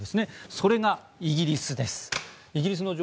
それがイギリスです。